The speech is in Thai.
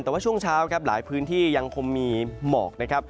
แต่ว่าช่วงเช้าครับหลายพื้นที่ยังคงมีหมอกนะครับ